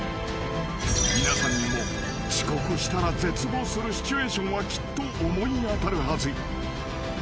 ［皆さんにも遅刻したら絶望するシチュエーションはきっと思い当たるはず］